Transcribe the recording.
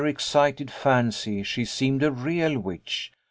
excited fancy she seemed a real witch.